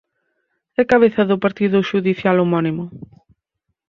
É cabeza do partido xudicial homónimo.